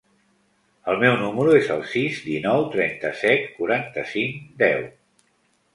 El meu número es el sis, dinou, trenta-set, quaranta-cinc, deu.